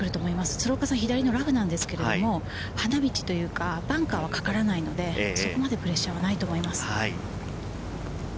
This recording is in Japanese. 鶴岡さんは左のラフなんですけれど、花道というか、バンカーはかからないので、そこまでプレッシャーはないと思います。